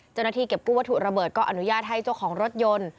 เจ้าหน้าที่เก็บกู้วัตถุระเบิดก็อนุญาตให้เจ้าของรถยนต์